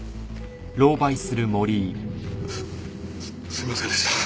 すすいませんでした。